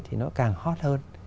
thì nó càng hot hơn